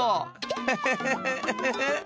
フフフフウフフ。